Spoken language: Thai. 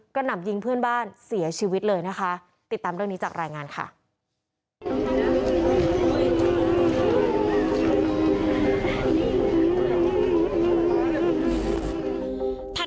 กระหน่ำยิงเพื่อนบ้านเสียชีวิตเลยนะคะ